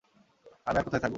আমি আর কোথায় থাকব?